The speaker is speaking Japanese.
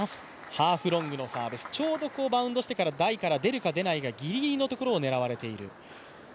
ハーフロングのサービス、ちょうどバウンドしてから台から出るか出ないかのギリギリのところを狙われている。